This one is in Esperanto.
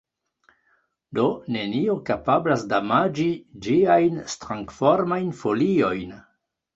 Do, nenio kapablas damaĝi ĝiajn strangformajn foliojn.